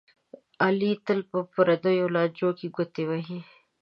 علي تل په پردیو لانجو کې ګوتې وهي.